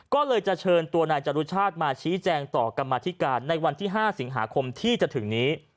ก็เลยจะเชิญตัวนายจรุชาติมาชี้แจงต่อกรรมธิการในวันที่๕สิงหาคมที่จะถึงนี้